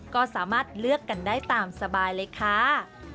ก็สามารถเลือกกันได้ตามสบายเลยค่ะ